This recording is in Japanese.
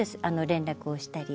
連絡をしたり。